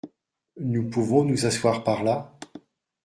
Nous pouvons nous asseoir par là ?